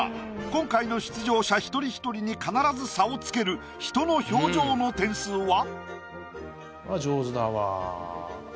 今回の出場者１人１人に必ず差をつける人の表情の点数は。